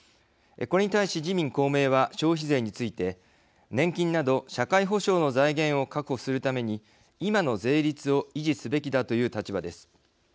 これに対し、自民・公明は消費税について年金など社会保障の財源を確保するために今の税率を維持すべきだという立場です。